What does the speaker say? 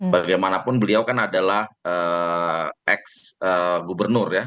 bagaimanapun beliau kan adalah ex gubernur ya